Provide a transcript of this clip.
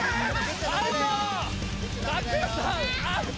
アウト！